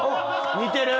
似てる。